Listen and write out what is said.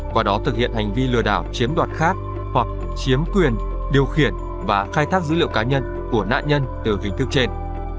qua đó thực hiện hành vi lừa đảo chiếm đoạt khác hoặc chiếm quyền điều khiển và khai thác dữ liệu cá nhân của nạn nhân từ hình thức trên